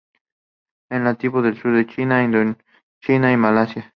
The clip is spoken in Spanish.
Es nativo del sur de China, Indochina y Malasia.